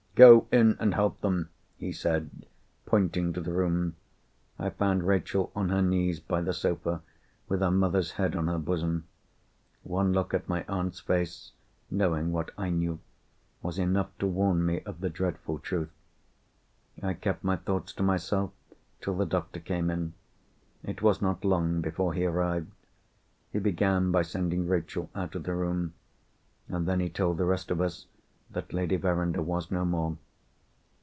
"Go in, and help them!" he said, pointing to the room. I found Rachel on her knees by the sofa, with her mother's head on her bosom. One look at my aunt's face (knowing what I knew) was enough to warn me of the dreadful truth. I kept my thoughts to myself till the doctor came in. It was not long before he arrived. He began by sending Rachel out of the room—and then he told the rest of us that Lady Verinder was no more.